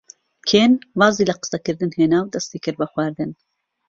کێن وازی لە قسەکردن هێنا و دەستی کرد بە خواردن.